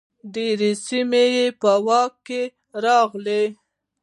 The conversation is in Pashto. ډیرې سیمې په واک کې راغلې.